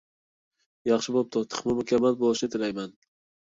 ياخشى بوپتۇ، تېخىمۇ مۇكەممەل بولۇشىنى تىلەيمەن!